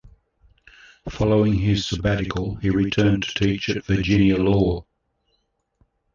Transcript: Following his sabbatical he returned to teach at Virginia Law.